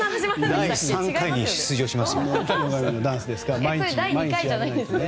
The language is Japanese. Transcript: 第３回に出場しますよ。